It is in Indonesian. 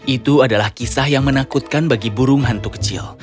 itu adalah kisah yang menakutkan bagi burung hantu kecil